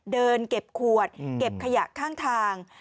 เดินเก็บขวดเก็บขยะข้างทาง